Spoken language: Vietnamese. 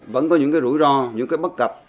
vẫn có những cái rủi ro những cái bất cập